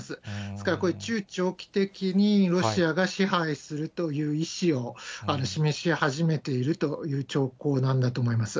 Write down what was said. ですから、これ、中長期的にロシアが支配するという意思を示し始めているという兆候なんだと思います。